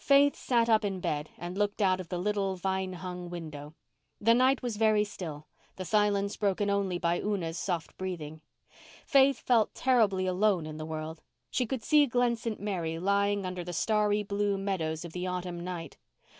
Faith sat up in bed and looked out of the little vine hung window. The night was very still, the silence broken only by Una's soft breathing. Faith felt terribly alone in the world. She could see Glen St. Mary lying under the starry blue meadows of the autumn night.